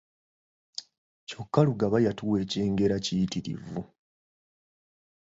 Kyokka Lugaba yatuwa ekyengera kiyitirivu.